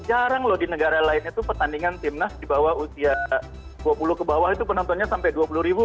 jarang loh di negara lain itu pertandingan timnas di bawah usia dua puluh ke bawah itu penontonnya sampai dua puluh ribu